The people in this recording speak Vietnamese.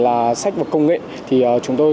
là sách và công nghệ thì chúng tôi